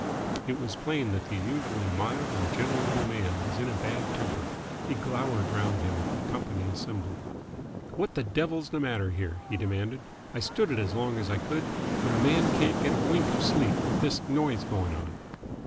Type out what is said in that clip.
It was plain that the usually mild and gentle little man was in a bad temper. He glowered round him at the company assembled. "What the devil's the matter here?" he demanded. "I stood it as long as I could, but a man can't get a wink of sleep with this noise going on!"